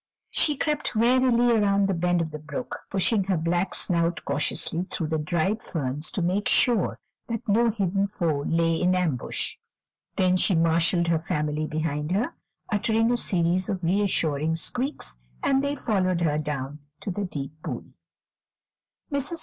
She crept warily around the bend of the brook, pushing her black snout cautiously through the dried ferns to make sure no hidden foe lay in ambush; then she marshaled her family behind her, uttering a series of reassuring squeaks, and they followed her down to the deep pool. Mrs.